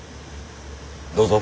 どうぞ。